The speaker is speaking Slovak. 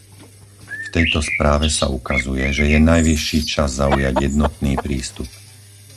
V tejto správe sa ukazuje, že je najvyšší čas zaujať jednotný prístup.